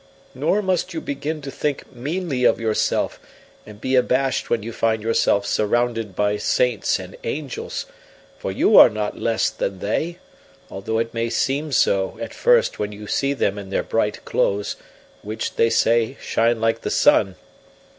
Nor must you begin to think meanly of yourself and be abashed when you find yourself surrounded by saints and angels; for you are not less than they, although it may not seem so at first when you see them in their bright clothes, which, they say, shine like the sun.